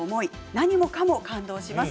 何もかも感動します。